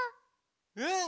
うん！